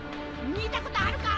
見たことあるか？